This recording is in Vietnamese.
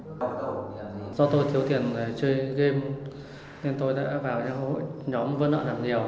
do tôi thiếu tiền để chơi game nên tôi đã vào nhóm vân ợn làm nhiều